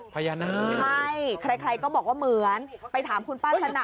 พญานาคใช่ใครก็บอกว่าเหมือนไปถามคุณป้าชนะ